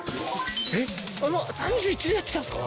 えっ３１でやってたんですか？